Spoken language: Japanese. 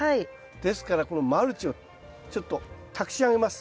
ですからこのマルチをちょっとたくし上げます。